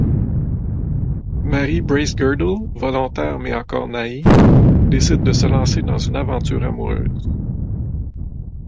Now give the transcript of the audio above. Mary Bracegirdle, volontaire mais encore naïve décide de se lancer dans une aventure amoureuse.